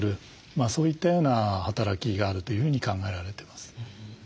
そういったような働きがあるというふうに考えられてます。